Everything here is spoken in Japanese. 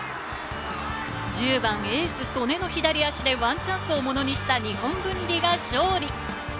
１０番・エース曾根の左足でワンチャンスをものにした日本文理が勝利。